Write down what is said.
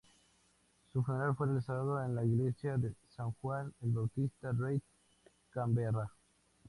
Su funeral fue realizado en la Iglesia San Juan el Bautista, Reid, Camberra.